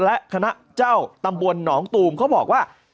และคณะเจ้าตำบลหนองตูมเขาบอกว่า